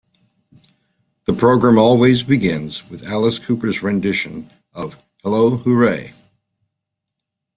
The program always begins with Alice Cooper's rendition of "Hello Hooray".